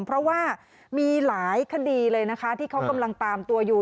เพราะว่ามีหลายคดีเลยนะคะที่เขากำลังตามตัวอยู่